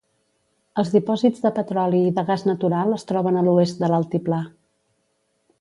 Els dipòsits de petroli i de gas natural es troben a l'oest de l'altiplà.